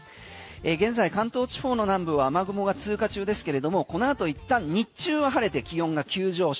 現在関東地方の南部は雨雲が通過中ですけれどもこの後一旦日中は晴れて気温が急上昇。